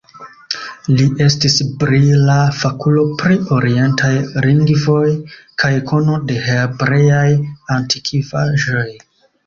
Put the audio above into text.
Li estis brila fakulo pri orientaj lingvoj kaj kono de hebreaj antikvaĵoj.